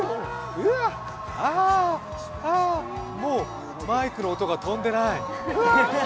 もうマイクの音が飛んでない。